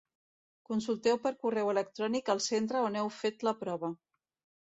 Consulteu per correu electrònic al centre on heu fet la prova.